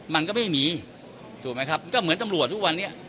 มันก็ไม่มีถูกไหมครับมันก็เหมือนตำรวจทุกวันนี้